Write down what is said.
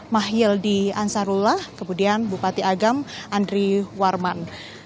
mahyildi ansarullah kemudian bupati agam andri warman